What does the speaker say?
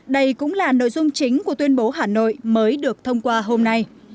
đây cũng là nội dung chính của tuyên bố hà nội mới được thông qua hôm nay